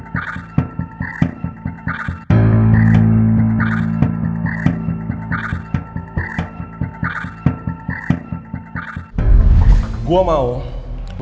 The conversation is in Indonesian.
bersedia mengundurkan diri